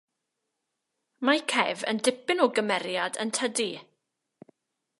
Mae Kev yn dipyn o gymeriad yn tydi.